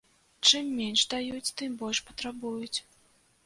Чым менш даюць, тым больш патрабуюць.